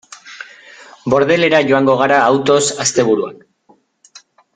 Bordelera joango gara autoz asteburuan.